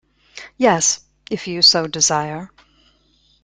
Yes, If you so desire.